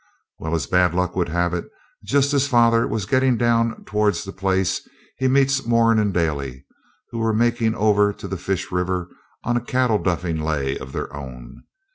Well, as bad luck would have it, just as father was getting down towards the place he meets Moran and Daly, who were making over to the Fish River on a cattle duffing lay of their own.